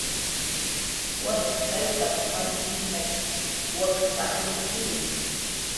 Warmiq jayrtak my simnach wak' saj wijchiwi.